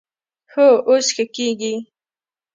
هو، اوس ښه کیږي